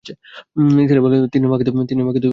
নিসার আলি বললেন, তিন্নির মাকে তো তুমি দেখেছ, তাই না?